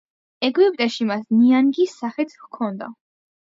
ეგვიპტეში მას ნიანგის სახეც ჰქონდა.